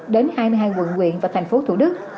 đến hai mươi hai quận quyện và thành phố thủ đức